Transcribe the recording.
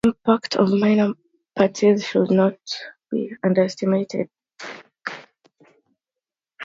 The impact of minor parties should not be underestimated.